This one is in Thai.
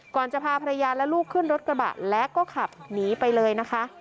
จะพาภรรยาและลูกขึ้นรถกระบะและก็ขับหนีไปเลยนะคะ